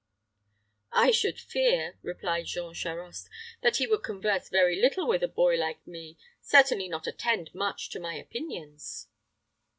"I should fear," replied Jean Charost, "that he would converse very little with a boy like me, certainly not attend much to my opinions."